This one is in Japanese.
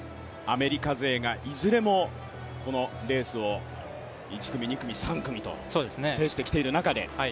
アメリカ勢がいずれもこのレースを１組、２組、３組と制してきている中で。